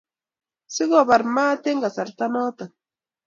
Ko kibar mat eng kasarta notok